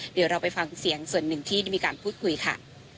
เดี๋ยวเราไปฟังเสียงส่วนหนึ่งที่ได้มีการพูดคุยค่ะ